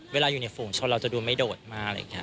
เวลาอยู่ในฝูงชนเราจะดูไม่โดดมากเลยค่ะ